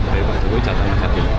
dari pak jokowi catanya satu